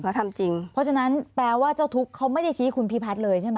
เขาทำจริงเพราะฉะนั้นแปลว่าเจ้าทุกข์เขาไม่ได้ชี้คุณพิพัฒน์เลยใช่ไหม